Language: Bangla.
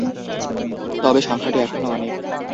তবে সংখ্যাটি এখনো অনেক।